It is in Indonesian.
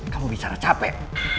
kamu bicara capek